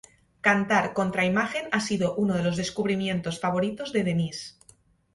Cantar contra imagen ha sido uno de los descubrimientos favoritos de Denise.